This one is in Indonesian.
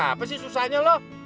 apa sih susahnya lo